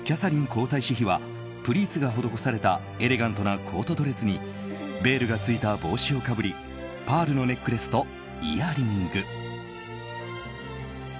皇太子妃はプリーツが施されたエレガントなコートドレスにベールがついた帽子をかぶりパールのネックレスとイヤリング。